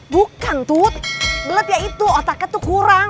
bukan tuh belet ya itu otaknya tuh kurang